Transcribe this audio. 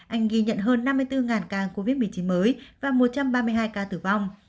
anh ghi nhận hơn năm mươi bốn ca covid một mươi chín mới và một trăm ba mươi hai ca tử vong